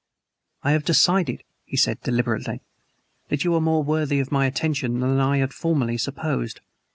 "I have decided," he said deliberately, "that you are more worthy of my attention than I had formerly supposed.